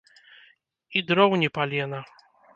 І дроў ні палена.